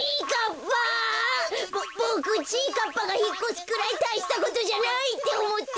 かっぱがひっこすくらいたいしたことじゃないっておもってた。